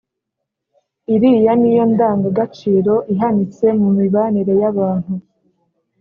iriya niyo ndanga gaciro ihanitse mu mibanire y’abantu